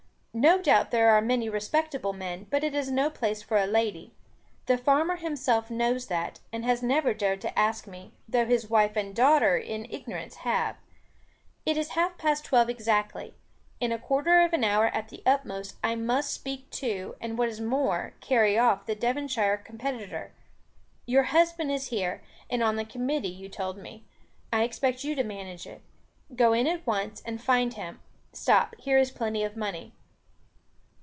No doubt there are many respectable men, but it is no place for a lady. The farmer himself knows that, and has never dared to ask me; though his wife and daughter, in ignorance, have. It is half past twelve exactly; in a quarter of an hour at the utmost, I must speak to, and what is more, carry off the Devonshire competitor. Your husband is here, and on the Committee, you told me. I expect you to manage it. Go in at once and find him. Stop, here is plenty of money."